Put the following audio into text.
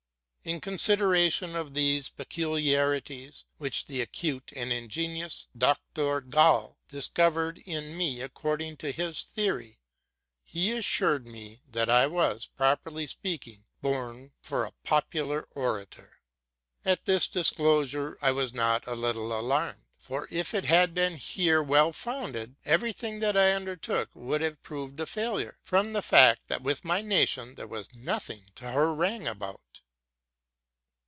In consideration of these peculiarities, which the acute and ingenious Dr. Gall dis covered in me according to his theory, he assured me that IT was, properly speaking, born fora popular orator. At this disclosure I was not a little alarmed; for if it were well founded, whatever else I might have undertaken would have proved a failure, from the fact that among my nation there was nothing to harangue about.